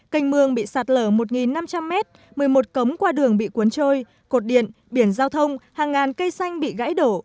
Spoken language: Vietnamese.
canh mương bị sạt lở một năm trăm linh m một mươi một cống qua đường bị cuốn trôi cột điện biển giao thông hàng ngàn cây xanh bị gãy đổ